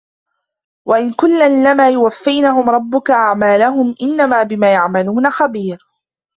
وإن كلا لما ليوفينهم ربك أعمالهم إنه بما يعملون خبير